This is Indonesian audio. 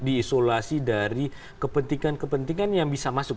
diisolasi dari kepentingan kepentingan yang bisa masuk